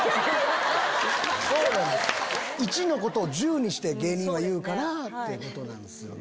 １のことを１０にして芸人は言うから。ってことなんですよね。